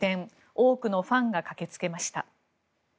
多くのファンが駆けつけました。